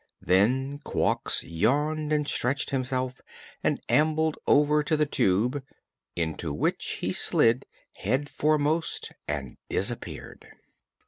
Then Quox yawned and stretched himself and ambled over to the Tube, into which he slid headforemost and disappeared.